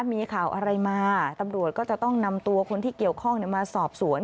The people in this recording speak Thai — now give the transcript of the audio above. มีข่าวอะไรมาตำรวจก็จะต้องนำตัวคนที่เกี่ยวข้องมาสอบสวน